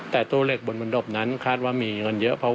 แต่ตู้เหล็กบนดบนั้นคาดว่ามีเงินเยอะ